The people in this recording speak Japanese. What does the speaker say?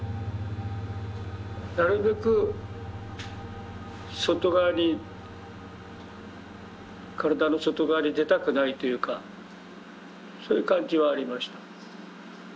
なるべく外側に身体の外側に出たくないというかそういう感じはありました。